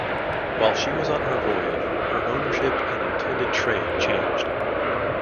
While she was on her voyage her ownership and intended trade changed.